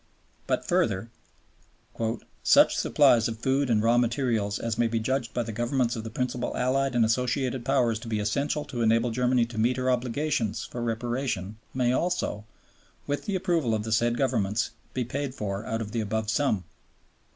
But further, "such supplies of food and raw materials as may be judged by the Governments of the Principal Allied and Associated Powers to be essential to enable Germany to meet her obligations for Reparation may also, with the approval of the said Governments, be paid for out of the above sum."